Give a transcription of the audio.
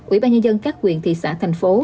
ủy ban nhân dân các nguyện thị xã thành phố